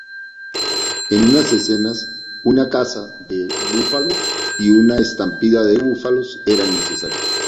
En unas escenas, una caza del búfalo y una estampida de búfalos eran necesarios.